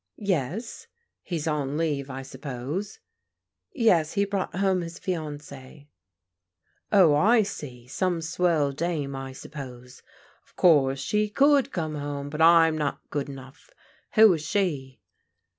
" Yes." " He's on leave, I suppose?" " Yes. He brought home his fiancie/^ " Oh, I see. Some swell dame, I suppose? Of course she could come home, but I'm not good enough. Who is she?"